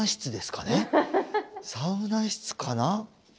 サウナ室かな？